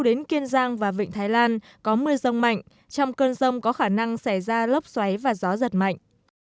đến kiên giang và vịnh thái lan có mưa rông mạnh trong cơn rông có khả năng xảy ra lốc xoáy và gió giật mạnh